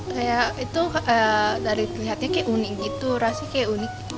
kayak itu dari terlihatnya kayak unik gitu rasanya kayak unik